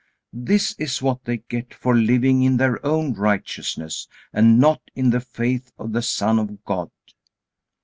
This is what they get for living in their own righteousness, and not in the faith of the Son of God.